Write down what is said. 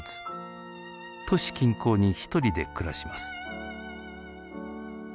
都市近郊に一人で暮らします。